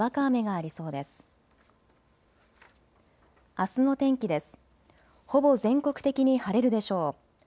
あすの天気です。